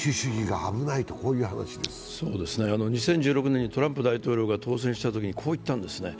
２０１６年にトランプ大統領が当選したときに、こう言ったんです